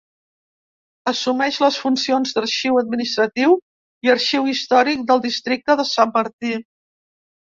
Assumeix les funcions d'Arxiu Administratiu i Arxiu històric del districte de Sant Martí.